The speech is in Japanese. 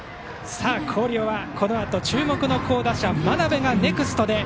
広陵は、このあと注目の好打者、真鍋がネクスト。